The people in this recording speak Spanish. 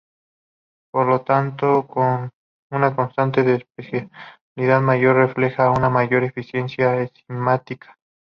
Por lo tanto una constante de especificidad mayor, refleja una mayor eficiencia enzimática.